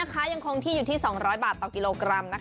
ยังคงที่อยู่ที่๒๐๐บาทต่อกิโลกรัม